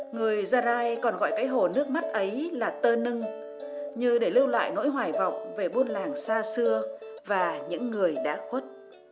người gia rai còn gọi cái hồ nước mắt ấy là tơ nưng như để lưu lại nỗi hoài vọng về buôn làng xa xưa và những người đã khuất